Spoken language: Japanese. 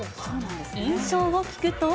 印象を聞くと。